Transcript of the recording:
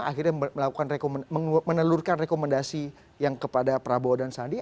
akhirnya menelurkan rekomendasi yang kepada prabowo dan sandi